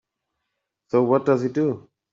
So what does he do?